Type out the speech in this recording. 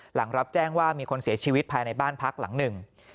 หลังรับแจ้งว่ามีคนเสียชีวิตภายในบ้านพักหลังหนึ่ง